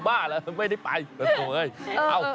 มาทำงานเลยหรือเปล่า